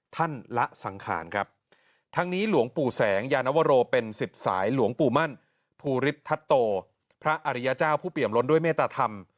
ละสังขารครับทั้งนี้หลวงปู่แสงยานวโรเป็นสิทธิ์สายหลวงปู่มั่นภูฤทธัตโตพระอริยเจ้าผู้เปี่ยมล้นด้วยเมตธรรม